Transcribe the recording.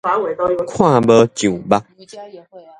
看無上目